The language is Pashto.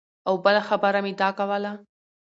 او بله خبره مې دا کوله